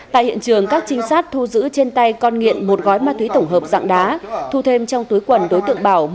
tại hiện trường các trinh sát thu giữ trên tay con nghiện một gói ma túy tổng hợp dạng đá thu thêm trong túi quần đối tượng bảo